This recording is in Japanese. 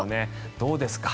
どうですか。